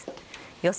予想